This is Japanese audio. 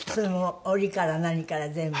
檻から何から全部？